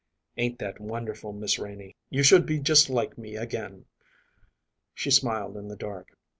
"Ain't that wonderful, Miss Renie, you should be just like me again!" She smiled in the dark.